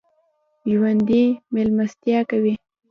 ژوندي مېلمستیا کوي